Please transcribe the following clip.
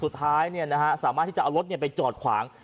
สุดท้ายเนี่ยนะฮะสามารถที่จะเอารถเนี่ยไปจอดขวาง